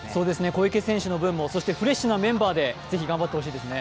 小池選手の分もフレッシュなメンバーで頑張ってほしいですね。